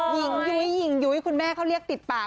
หญิงยุ้ยคุณแม่เขาเรียกติดปาก